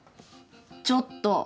ちょっと。